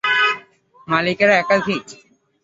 মালিকেরা, একাধিক?